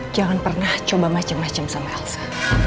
jangan pernah coba macem macem sama elsa